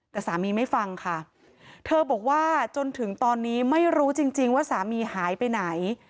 แต่สามีไม่ฟังค่ะเธอบอกว่าจนถึงตอนนี้ไม่รู้จริงจริงว่าสามีหายไปไหน